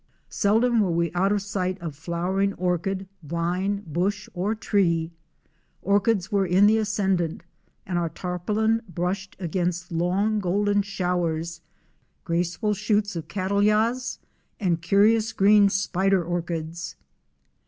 Seldom were we out of sight of flowering orchid, vine, bush or tree. Orchids were in the ascendant and our tarpaulin brushed against long Golden Showers, graceful shoots of Cattleyas and curious green Spider Orchids.